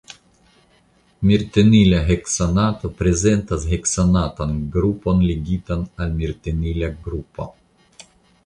Mirtenila heksanato prezentas heksanatan grupon ligitan al mirtenila grupo.